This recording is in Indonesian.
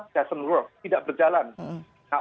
tidak berjalan nah